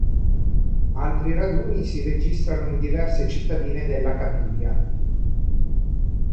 Altri raduni si registrano in diverse cittadine della Cabilia.